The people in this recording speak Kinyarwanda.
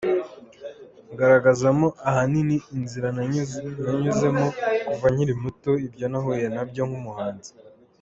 Ngaragazamo ahanini inzira nanyuzemo kuva nkiri muto, ibyo nahuye nabyo nk’umuhanzi.